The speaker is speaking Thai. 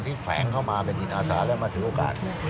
แฝงเข้ามาเป็นจิตอาสาแล้วมาถือโอกาส